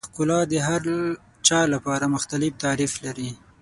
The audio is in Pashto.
ښکلا د هر چا لپاره مختلف تعریف لري.